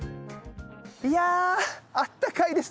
いやあったかいです。